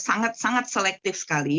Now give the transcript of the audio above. jadi itu sangat sangat selektif sekali